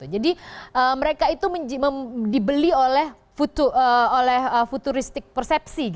jadi mereka itu dibeli oleh futuristik persepsi